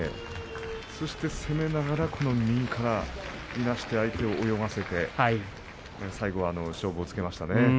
そして攻めながら右からいなして相手を泳がせて最後、勝負をつけましたね。